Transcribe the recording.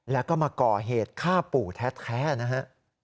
แล้วก็มาก่อเหตุฆ่าปู่แท้นะฮะ